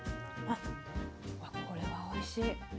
あっこれはおいしい。